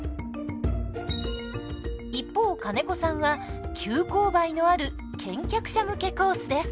一方金子さんは急勾配のある健脚者向けコースです。